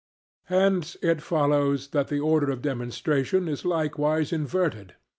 Hence it follows that the order of demonstration is likewise inverted.